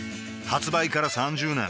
発売から３０年